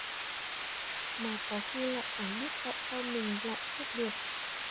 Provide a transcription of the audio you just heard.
Mà có khi lại chẳng biết tại sao mình lại chết được